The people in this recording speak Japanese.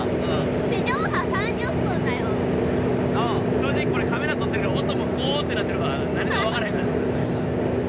正直これカメラ撮ってるけど音もゴーってなってるから何もわからへんから。